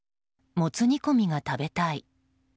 もつ煮込みが食べたい。